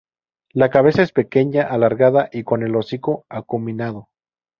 La cabeza es pequeña, alargada y con el hocico acuminado.